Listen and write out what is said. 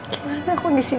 gimana aku disini